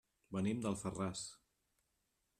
Venim d'Alfarràs.